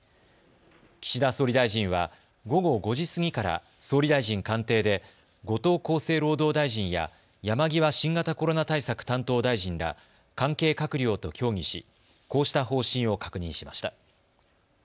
岸田総理大臣は午後５時過ぎから総理大臣官邸で後藤厚生労働大臣や山際新型コロナ対策担当大臣ら関係閣僚と協議しこうした方針を確認しました。